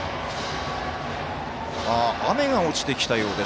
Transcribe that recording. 雨が落ちてきたようです